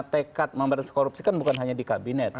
tekad memberantas korupsi kan bukan hanya di kabinet